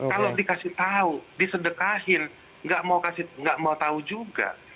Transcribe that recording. kalau dikasih tahu disedekahin nggak mau tahu juga